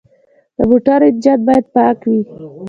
د موټر انجن باید پاک وي.